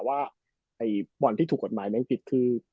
ปรไหลที่ถูกกฎหมายแบบนั้นคือ